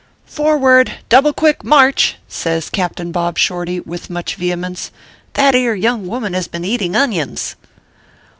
" Forward double quick march !" says Captain Bob Shorty, with much vehemence ;" that ere young woman has been eating onions."